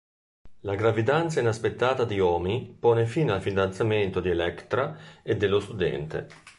La gravidanza inaspettata di Omi pone fine al fidanzamento di Electra e dello studente.